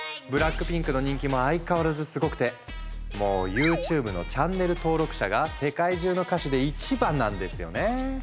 ＢＬＡＣＫＰＩＮＫの人気も相変わらずすごくてもうＹｏｕＴｕｂｅのチャンネル登録者が世界中の歌手で一番なんですよね。